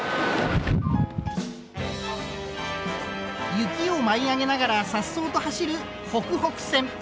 雪を舞い上げながらさっそうと走るほくほく線。